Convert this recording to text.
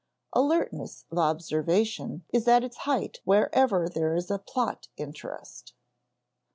Alertness of observation is at its height wherever there is "plot interest."